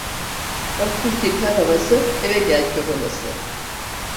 Baktın ki kar havası, eve gel kör olası.